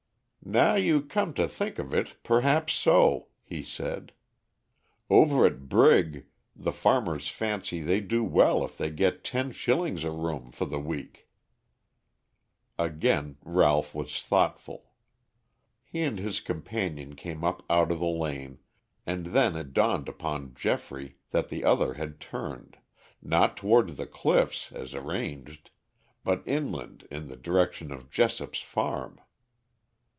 "Now you come to think of it, perhaps so," he said. "Over at Brigg, the farmers fancy they do well if they get ten shillings a room for the week." Again Ralph was thoughtful. He and his companion came up out of the lane, and then it dawned upon Geoffrey that the other had turned, not towards the cliffs as arranged, but inland in the direction of Jessop's farm.